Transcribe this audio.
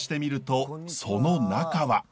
その中は。